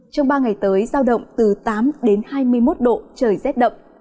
trong ba ngày tới giao động từ tám đến hai mươi một độ trời rét đậm